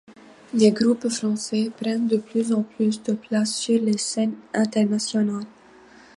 Les groupes Français prennent de plus en plus de place sur les scènes internationales.